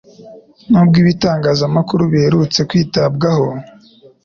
Nubwo ibitangazamakuru biherutse kwitabwaho,